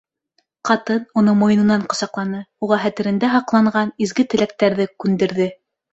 Ҡатын уны муйынынан ҡосаҡланы, уға хәтерендә һаҡланған изге теләктәрҙе күндерҙе.